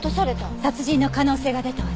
殺人の可能性が出たわね。